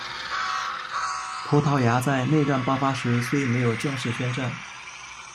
葡萄牙在内战爆发时虽没有正式宣战。